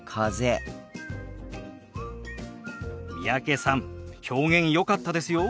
三宅さん表現よかったですよ。